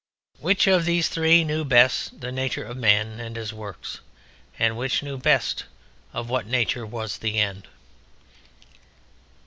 Which of these three knew best the nature of man and of his works, and which knew best of what nature was the end?